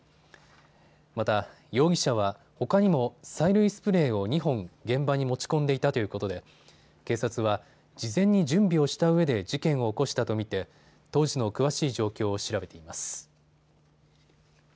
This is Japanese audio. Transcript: また容疑者はほかにも催涙スプレーを２本、現場に持ち込んでいたということで警察は事前に準備をしたうえで事件を起こしたと見て当時の詳しい状況を調べています。